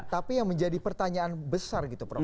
tapi yang menjadi pertanyaan besar gitu prof